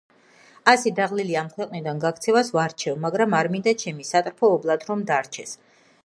ასე დაღლილი ამ ქვეყნიდან გაქცევას ვარჩევ, მაგრამ არ მინდა ჩემი სატრფო ობლად რომ დარჩეს